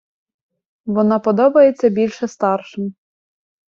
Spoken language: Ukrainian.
Вона подобається більше старшим.